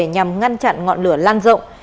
nhằm ngăn chặn ngọn lửa lan rộng